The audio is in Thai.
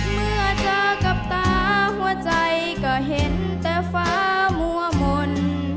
เมื่อเจอกับตาหัวใจก็เห็นแต่ฟ้ามั่วมนต์